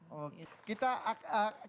tapi bukan untuk merendahkan